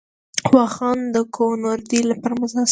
واخان د کوه نوردۍ لپاره مناسب دی